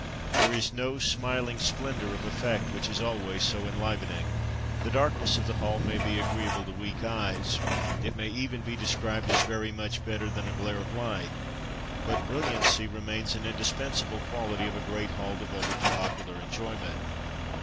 There is no smiling splendor of effect, which is always so enlivening. The darkness of the hall may be agreeable to weak eyes, it may even be described as "very much better than a glare of light," but brilliancy remains an indispensable quality of a great hall devoted to popular enjoyment.